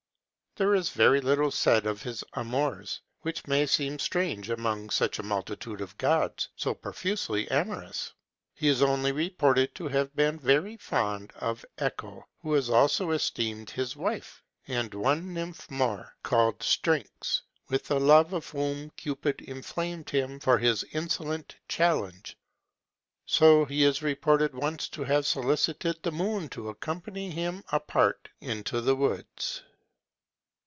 There is very little said of his amours; which may seem strange among such a multitude of gods, so profusely amorous. He is only reported to have been very fond of Echo, who was also esteemed his wife; and one nymph more, called Syrinx, with the love of whom Cupid inflamed him for his insolent challenge; so he is reported once to have solicited the moon to accompany him apart into the deep woods.